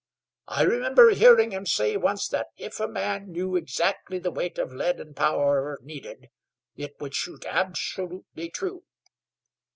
I remember hearing him say once that if a man knew exactly the weight of lead and powder needed, it would shoot absolutely true."